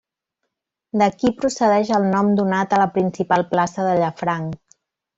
D'aquí procedeix el nom donat a la principal plaça de Llafranc.